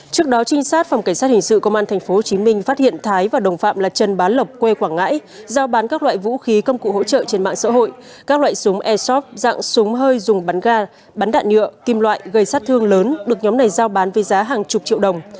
trước đó trinh sát phòng cảnh sát hình sự công an tp hcm phát hiện thái và đồng phạm là trần bán lộc quê quảng ngãi giao bán các loại vũ khí công cụ hỗ trợ trên mạng xã hội các loại súng airsoft dạng súng hơi dùng bắn ga bắn đạn nhựa kim loại gây sát thương lớn được nhóm này giao bán với giá hàng chục triệu đồng